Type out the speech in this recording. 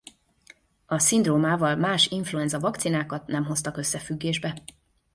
A szindrómával más influenza-vakcinákat nem hoztak összefüggésbe.